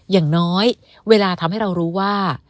อย่างน้อยเวลาทำให้เรารู้ว่า